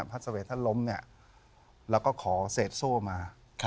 พระสวรรค์ถ้าล้มเราก็ขอเศษโซ่มา